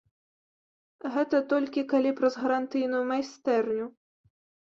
Гэта толькі калі праз гарантыйную майстэрню.